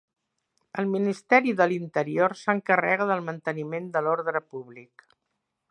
El Ministeri de l'Interior s'encarrega del manteniment de l'ordre públic.